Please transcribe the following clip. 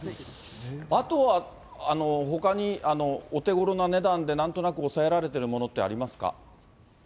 あとはほかにお手ごろな値段で、なんとなく抑えられているものってありますか？